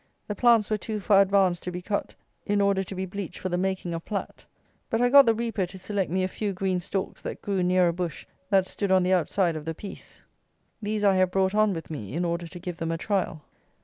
The plants were too far advanced to be cut in order to be bleached for the making of plat; but I got the reaper to select me a few green stalks that grew near a bush that stood on the outside of the piece. These I have brought on with me, in order to give them a trial.